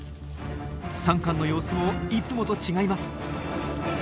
サンカンの様子もいつもと違います。